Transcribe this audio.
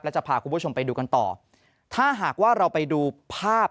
จะพาคุณผู้ชมไปดูกันต่อถ้าหากว่าเราไปดูภาพ